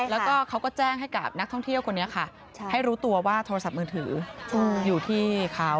แล้วก็เขาก็แจ้งให้กับนักท่องเที่ยวคนนี้ค่ะให้รู้ตัวว่าโทรศัพท์มือถืออยู่ที่เขา